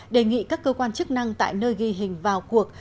đề nghị các cơ quan chức năng tại nơi ghi hình vào cuộc